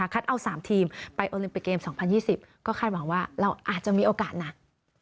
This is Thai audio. เอา๓ทีมไปโอลิมปิกเกม๒๐๒๐ก็คาดหวังว่าเราอาจจะมีโอกาสหนัก